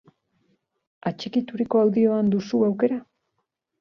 Atxikituriko audioan duzu aukera?